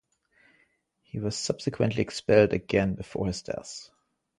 He was subsequently expelled again before his death.